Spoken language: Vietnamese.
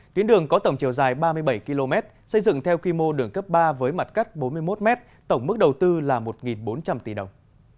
tuyến đường có tổng chiều dài ba mươi bảy km xây dựng theo quy mô đường cấp ba với mặt cắt bốn mươi một m tổng mức đầu tư là một bốn trăm linh tỷ đồng